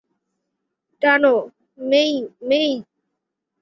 টানো, মেই-মেই!